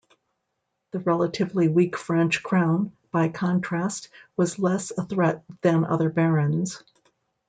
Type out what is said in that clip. The relatively weak French crown, by contrast, was less a threat than other barons.